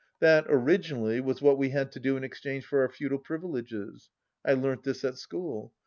That, originally, was what we had to do in exchange for our feudal privileges. I learnt this at school.